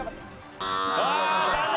ああ残念！